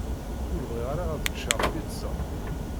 Ur bɣiɣ ara ad ččeɣ pizza.